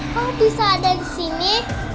kalau bisa ada di sini